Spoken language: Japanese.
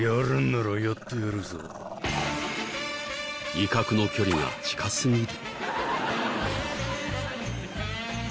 威嚇の距離が近すぎる。